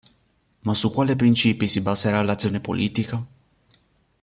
Ma su quale principi si baserà l'azione politica?